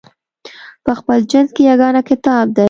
په خپل جنس کې یګانه کتاب دی.